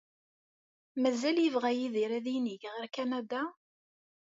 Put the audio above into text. Mazal yebɣa Yidir ad yinig ɣer Kanada?